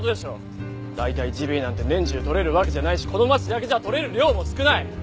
大体ジビエなんて年中とれるわけじゃないしこの町だけじゃとれる量も少ない！